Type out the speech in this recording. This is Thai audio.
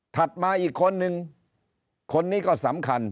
มาอีกคนนึงคนนี้ก็สำคัญ